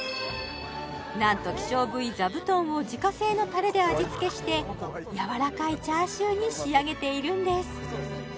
なんと希少部位ザブトンを自家製のタレで味付けしてやわらかいチャーシューに仕上げているんです